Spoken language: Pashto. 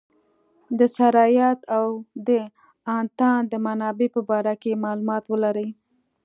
د سرایت او د انتان د منابع په باره کې معلومات ولري.